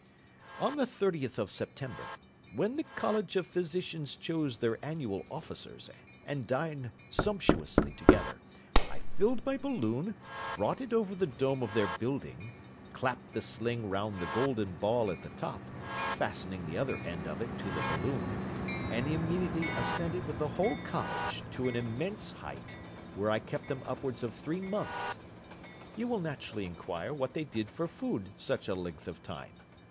On the 30th of September, when the College of Physicians chose their annual officers, and dined sumptuously together, I filled my balloon, brought it over the dome of their building, clapped the sling round the golden ball at the top, fastening the other end of it to the balloon, and immediately ascended with the whole college to an immense height, where I kept them upwards of three months. You will naturally inquire what they did for food such a length of time?